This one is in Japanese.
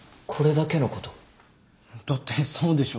だってそうでしょ。